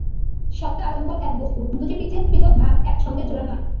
সত্তা আর অনুভব এক বস্তু, দুটি পৃথক পৃথক ভাব এক সঙ্গে জোড়া নয়।